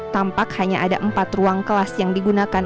tampak hanya ada empat ruang kelas yang digunakan